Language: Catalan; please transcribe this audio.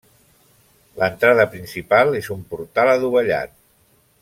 L'entrada principal és un portal adovellat.